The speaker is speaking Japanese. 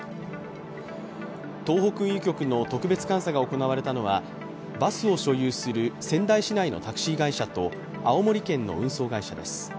東北運輸局の特別監査が行われたのはバスを所有する仙台市内のタクシー会社と青森県の運送会社です。